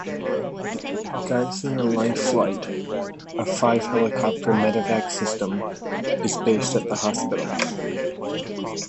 Geisinger Life Flight, a five-helicopter medevac system, is based at the hospital.